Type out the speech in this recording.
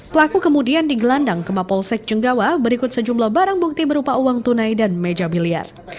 pelaku kemudian digelandang ke mapolsek jenggawa berikut sejumlah barang bukti berupa uang tunai dan meja biliar